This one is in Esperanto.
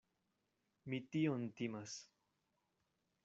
Mi tion timas.